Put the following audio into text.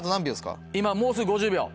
今もうすぐ５０秒。